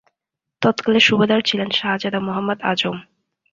তৎকালে সুবাহদার ছিলেন শাহজাদা মুহম্মদ আজম।